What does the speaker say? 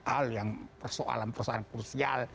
hal yang persoalan persoalan krusial